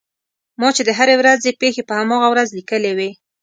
ما چې د هرې ورځې پېښې په هماغه ورځ لیکلې وې.